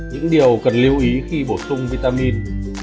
những điều cần lưu ý khi bổ sung vitamin